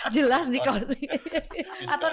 jelas di courting